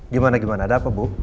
gimana gimana ada apa bu